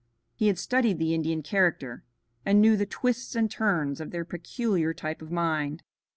He had studied the Indian character and knew the twists and turns of their peculiar type of mind.